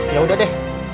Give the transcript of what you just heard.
ya udah deh